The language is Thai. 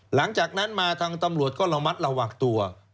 หลังจากนั้นมาทางตำรวจก็ระมัดระวังตัว